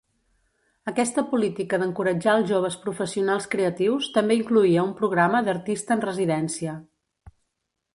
Aquesta política d'encoratjar als joves professionals creatius també incloïa un programa d'Artista en residència.